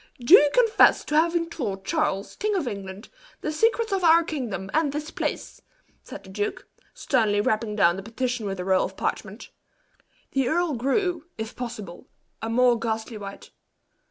"Do you confess to having told Charles, King of England, the secrets of our kingdom and this place?" said the duke, sternly rapping down the petition with a roll of parchment. The earl grew, if possible, a more ghastly white.